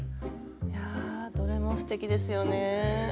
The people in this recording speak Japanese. いやどれもすてきですよね！